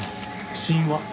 死因は？